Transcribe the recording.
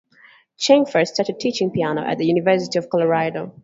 Cheng first started teaching piano at the University of Colorado.